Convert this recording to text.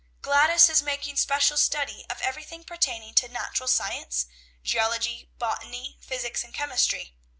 Gladys is making special study of everything pertaining to natural science, geology, botany, physics, and chemistry.